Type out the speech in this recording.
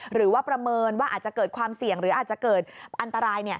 หรือว่าประเมินว่าอาจจะเกิดความเสี่ยงหรืออาจจะเกิดอันตราย